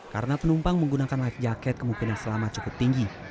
karena penumpang menggunakan life jacket kemungkinan selama cukup tinggi